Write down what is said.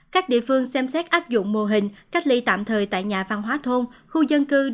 các địa phương xem xét áp dụng mô hình cách ly tạm thời tại nhà văn hóa thôn khu dân cư